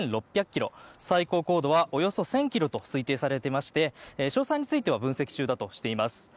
最高高度はおよそ１０００ｋｍと推定されていまして詳細については分析中だとしています。